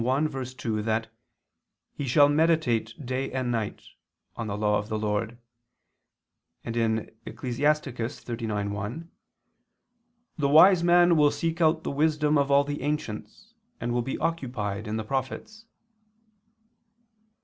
1:2) that "he shall meditate day and night" on the law of the Lord, and (Ecclus. 39:1): "The wise man will seek out the wisdom of all the ancients, and will be occupied in the prophets."